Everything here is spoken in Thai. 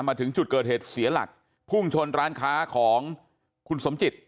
มาถึงจุดเกิดเหตุเสียหลักพุ่งชนร้านค้าของคุณสมจิต